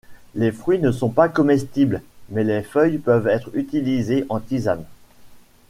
Les fruits ne sont pas comestibles, mais les feuilles peuvent être utilisées en tisane.